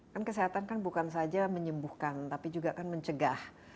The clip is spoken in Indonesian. kan kesehatan bukan saja menyembuhkan tapi juga mencegah